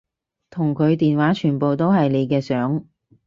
同佢電話全部都係你嘅相